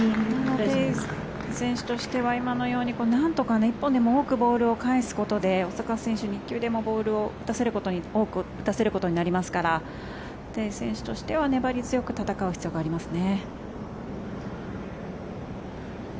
テイ選手としては今のように、なんとか１本でも多くボールを返すことで大坂選手に１球でも多くボールを多く打たせることになりますからテイ選手としては粘り強く戦う必要がありますね。